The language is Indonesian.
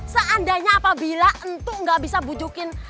seandainya apabila entuk nggak bisa bujukin